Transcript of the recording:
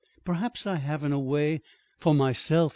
Perhaps I have in a way for myself.